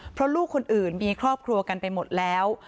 เพราะลูกคนอื่นมีครอบครัวกันไปหมดแล้ว